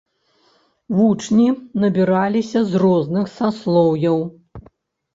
Вучні набіраліся з розных саслоўяў.